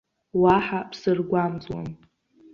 Уаҳа бсыргәамҵуам.